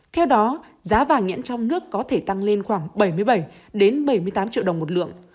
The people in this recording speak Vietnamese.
theo đó giá vàng nhẫn trong nước có thể tăng lên khoảng bảy mươi bảy bảy mươi tám triệu đồng một lượng